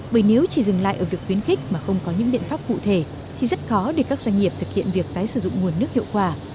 bởi nếu chỉ dừng lại ở việc khuyến khích mà không có những biện pháp cụ thể thì rất khó để các doanh nghiệp thực hiện việc tái sử dụng nguồn nước hiệu quả